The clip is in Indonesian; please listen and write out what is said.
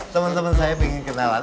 temen temen saya pengen kenalan